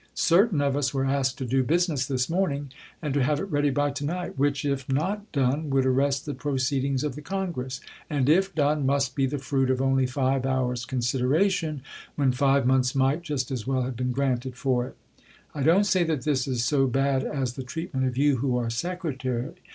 Certain of us were asked to do business this morning, and to have it ready by to night, which, if not done, would arrest the proceedings of the Congress, and, if done, must be the fruit of only five hours' consideration, when five months might just as well have been granted for it. I don't say that this is so bad as the treatment of you who are Secretary.